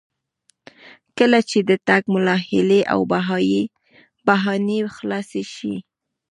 کله چې د ټګ ملا هیلې او بهانې خلاصې شي.